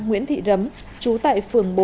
nguyễn thị rấm trú tại phường bốn